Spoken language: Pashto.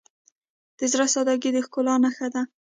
د زړه سادگی د ښکلا نښه ده.